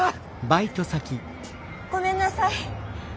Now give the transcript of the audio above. ごめんなさい。